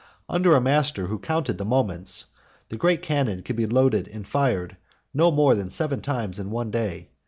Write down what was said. Under a master who counted the moments, the great cannon could be loaded and fired no more than seven times in one day.